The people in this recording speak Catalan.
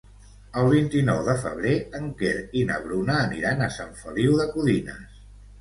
El vint-i-nou de febrer en Quer i na Bruna aniran a Sant Feliu de Codines.